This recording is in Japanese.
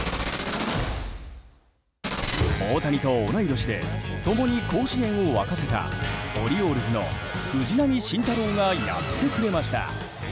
大谷と同い年で共に甲子園を沸かせたオリオールズの藤浪晋太郎がやってくれました。